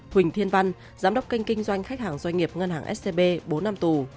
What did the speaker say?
huỳnh thiên văn giám đốc kênh kinh doanh khách hàng doanh nghiệp ngân hàng scb bốn năm tù